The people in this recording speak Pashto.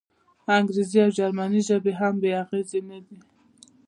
انګریزي او جرمني ژبې هم بې اغېزې نه دي.